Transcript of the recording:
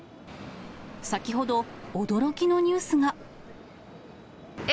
先ほど、驚きのニュースが。え！